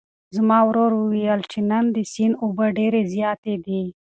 زما ورور وویل چې نن د سیند اوبه ډېرې زیاتې دي.